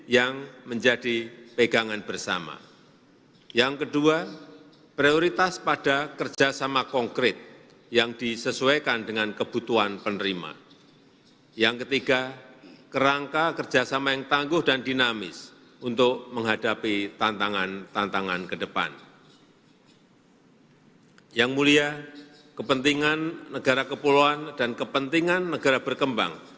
yang mulia kepentingan negara kepulauan dan kepentingan negara berkembang